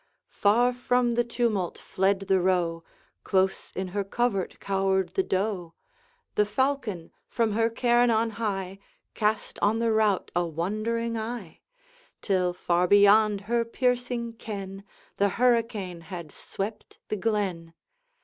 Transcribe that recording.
Far from the tumult fled the roe, Close in her covert cowered the doe, The falcon, from her cairn on high, Cast on the rout a wondering eye, Till far beyond her piercing ken The hurricane had swept the glen.